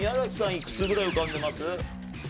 いくつぐらい浮かんでます？